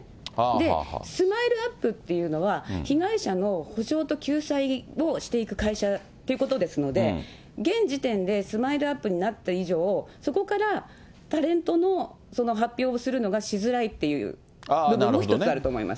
で、ＳＭＩＬＥーＵＰ．っていうのは、被害者の補償と救済をしていく会社ということですので、現時点でＳＭＩＬＥーＵＰ．になった以上、そこからタレントの発表をするのがしづらいっていう部分も、一つあると思います。